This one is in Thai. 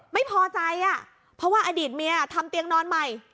ไม่พอใจอ่ะเพราะว่าอดีตเมียทำเตียงนอนใหม่